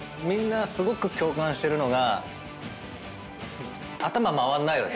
みんなすごく共感してるのが。